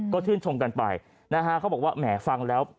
ก็ชื่นชมกันไปนะฮะเขาบอกว่าแหมฟังแล้ว